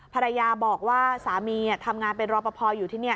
ภรรยาบอกว่าสามีทำงานเป็นรอปภอยู่ที่นี่